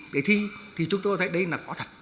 để thi thì chúng tôi thấy đây là có thật